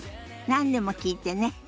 何でも聞いてね。